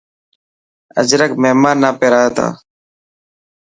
اجرڪ مهمان نا پيرائي تا.